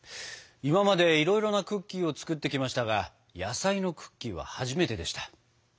今までいろいろなクッキーを作ってきましたが野菜のクッキーは初めてでした。